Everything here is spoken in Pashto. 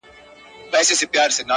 ته پاچایې د ځنگلونو او د غرونو،